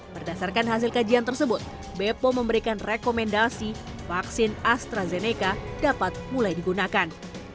berdasarkan hasil kajian tersebut bepom memberikan rekomendasi vaksin astrazeneca dapat mulai digunakan